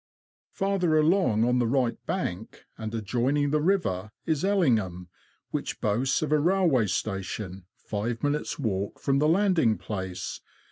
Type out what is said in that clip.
Farther along on the right bank, and adjoining the river, is Ellingham, which boasts of a railway station, five minutes' walk from the landing place.